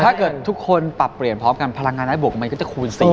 ถ้าเกิดทุกคนปรับเปลี่ยนพร้อมกันพลังงานด้านบวกมันก็จะคูณ๔